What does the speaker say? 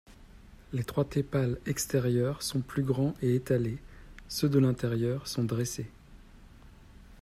Les trois tépales extérieurs sont plus grands et étalés, ceux de l'intérieur sont dressés.